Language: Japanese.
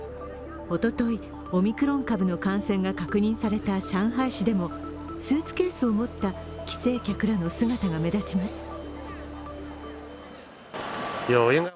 おとといオミクロン株の感染が確認された上海市でもスーツケースを持った帰省客らの姿が目立ちます。